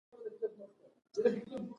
آیا جوار د سیلو لپاره کارولی شم؟